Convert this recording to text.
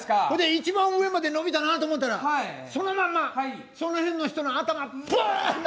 一番上まで伸びたなと思ったらそのまんまその辺の人の頭ポン殴って。